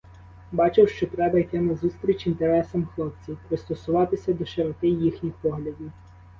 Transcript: Бачив, що треба йти назустріч інтересам хлопців, пристосовуватися до широти їхніх поглядів.